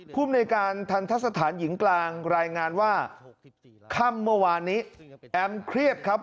ภูมิในการทันทะสถานหญิงกลางรายงานว่าค่ำเมื่อวานนี้แอมเครียดครับ